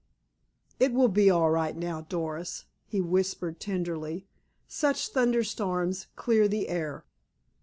"It will be all right now, Doris," he whispered tenderly. "Such thunderstorms clear the air."